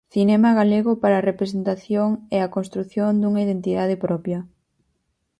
Cinema galego para a representación e a construción dunha identidade propia.